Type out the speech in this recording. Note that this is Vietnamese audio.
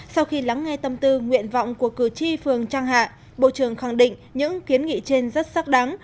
sau khi lắng nghe tâm tư nguyện vọng của cử tri phường trang hạ bộ trưởng khẳng định những kiến nghị trên rất sắc đắng